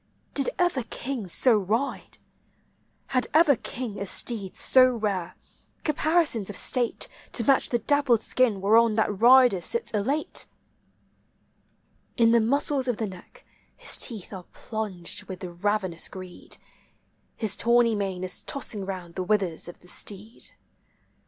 Did ever king so ride? Had ever king a steed so rare, caparisons of state To match the dappled skin whereon that rider sits elate? In the muscles of the neck his teeth are plunged with ravenous greed; His tawny mane is tossing round the withers of the steed.